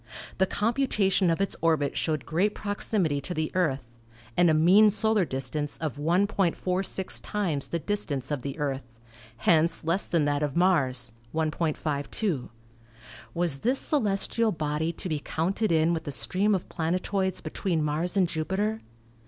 The computa tion of its orbit showed great proximity to the Earth, and a mean solar distance of 1.46 times the distance of the Earth; hence less than that of Mars (1.52). Was this celestial body to be counted in with the stream of planet oids between Mars and Jupiter?